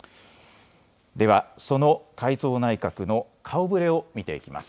ではその改造内閣の顔ぶれを見ていきます。